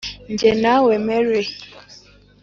njye: nawe mary!.